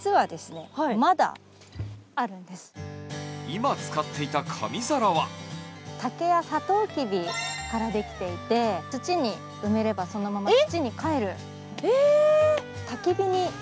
今使っていた紙皿は竹やサトウキビからできていて、土に埋めればそのまま土にかえる。